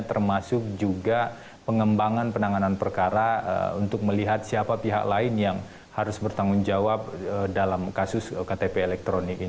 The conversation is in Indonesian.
termasuk juga pengembangan penanganan perkara untuk melihat siapa pihak lain yang harus bertanggung jawab dalam kasus ktp elektronik ini